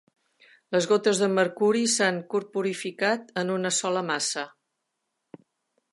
Les gotes de mercuri s'han corporificat en una sola massa.